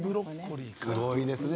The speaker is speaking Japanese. すごいですね。